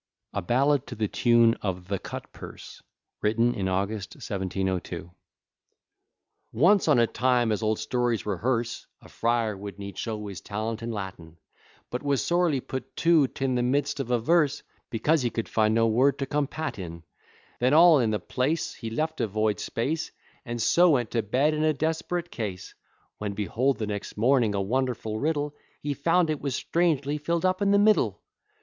] A BALLAD TO THE TUNE OF THE CUT PURSE WRITTEN IN AUGUST, 1702 I Once on a time, as old stories rehearse, A friar would need show his talent in Latin; But was sorely put to 't in the midst of a verse, Because he could find no word to come pat in; Then all in the place He left a void space, And so went to bed in a desperate case: When behold the next morning a wonderful riddle! He found it was strangely fill'd up in the middle.